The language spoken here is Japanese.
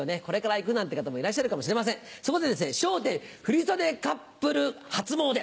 これから行くなんて方もいらっしゃるかもしれませんそこで笑点振袖カップル初詣。